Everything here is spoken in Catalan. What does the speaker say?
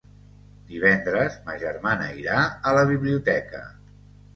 Divendres ma germana irà a la biblioteca.